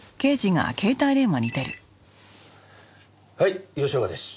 はい吉岡です。